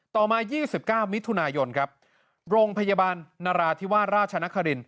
ต่อมา๒๙มิถุนายนครับโรงพยาบาลนราธิวาสราชนคริน